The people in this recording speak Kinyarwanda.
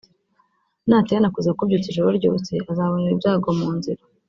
Natihana kuza kukubyutsa ijoro ryose azabonera ibyago mu nzira